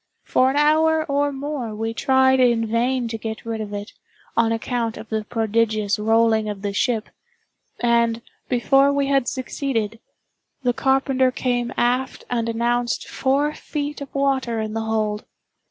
For an hour or more, we tried in vain to get rid of it, on account of the prodigious rolling of the ship; and, before we had succeeded, the carpenter came aft and announced four feet of water in the hold.